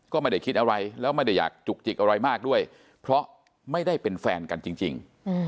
ก็ไม่ได้คิดอะไรแล้วไม่ได้อยากจุกจิกอะไรมากด้วยเพราะไม่ได้เป็นแฟนกันจริง